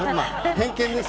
偏見です！